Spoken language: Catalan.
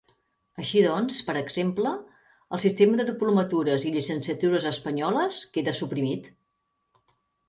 Així doncs, per exemple, el sistema de diplomatures i llicenciatures espanyoles queda suprimit.